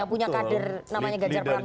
gak punya kader namanya ganjar pranowo